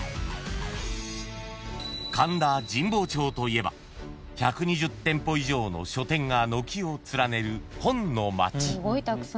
いえば１２０店舗以上の書店が軒を連ねる本の街］